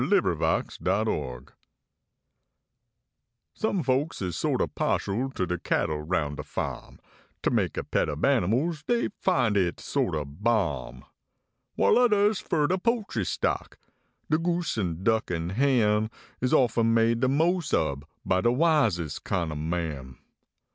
LIKE DE OLE MULE BES Some folks is so t o pa shal to de cattle roun de fa m, Ter make a pet ob animals dey find hit so t ob balm, While odders fer de poultry stock ; de goose, en duck, en hen Is often made de mos ob by de wisess kind ob men.